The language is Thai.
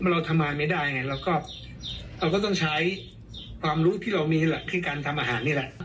เราทำงานไม่ได้ไงเราก็เราก็ต้องใช้ความรู้ที่เรามีหลักคือการทำอาหารนี่แหละ